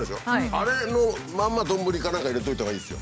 あれのまんま丼か何かに入れておいたほうがいいですよ。